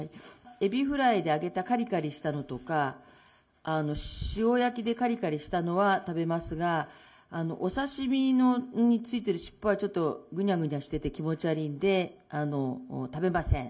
エビフライで揚げたかりかりしたのとか、塩焼きでかりかりしたのは食べますが、お刺身についている尻尾は、ちょっと、ぐにゃぐにゃしてて気持ち悪いんで、食べません。